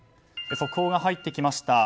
速報が入ってきました。